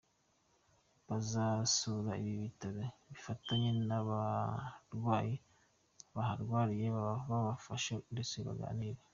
bazasura ibi bitaro bifatanye nabarwayi baharwariye, babafashe ndetse banagire.